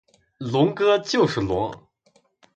龙哥就是龙！